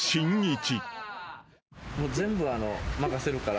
全部任せるから。